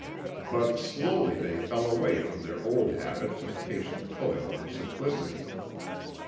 But slowly they fell away from their old habits of patient toil and simplicity.